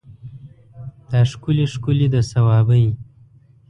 دا ښکلي ښکلي د صوابی